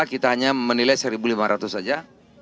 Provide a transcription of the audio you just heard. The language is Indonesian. kita hanya menilai satu lima ratus saja